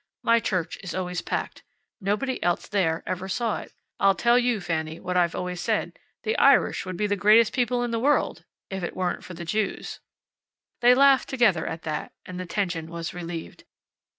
My church is always packed. Nobody else there ever saw it. I'll tell you, Fanny, what I've always said: the Irish would be the greatest people in the world if it weren't for the Jews." They laughed together at that, and the tension was relieved.